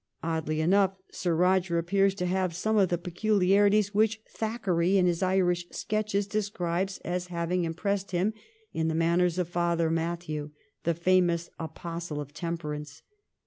Oddly enough Sir Eoger appears to have some of the pleculiarities which Thackeray, in his Irish sketches, describes as having impressed him in the manners of Father Mathew, the famous apostle of temperance.